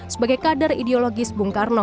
sebagai kader ideologis bung karno